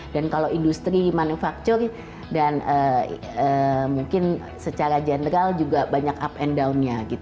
dan kalau industri manufaktur dan mungkin secara general juga banyak up and down nya